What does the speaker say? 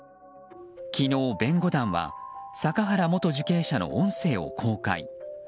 昨日、弁護団は阪原元受刑者の音声を公開。